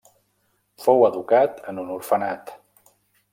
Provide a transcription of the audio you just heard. Fou educat en un orfenat.